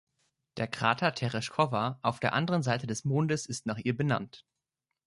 Der Krater Tereshkova auf der anderen Seite des Mondes ist nach ihr benannt.